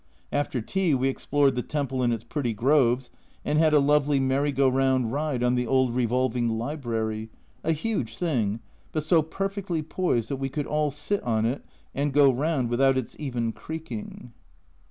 After tea we explored the temple and its pretty groves, and had a lovely merry go round ride on the old revolving library, a huge thing, but so perfectly poised that we could all sit on it and go round without its even creaking.